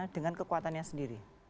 dengan kekuatannya sendiri